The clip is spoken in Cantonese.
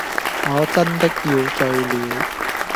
我真的要醉了！